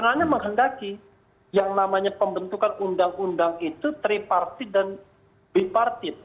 karena menghendaki yang namanya pembentukan undang undang itu tiga partit dan b partit